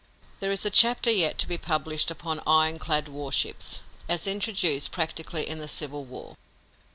There is a chapter yet to be published upon iron clad war ships, as introduced practically in the Civil War.